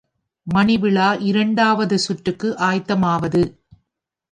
மணிவிழா இரண்டாவது சுற்றுக்கு ஆயத்தமாவது.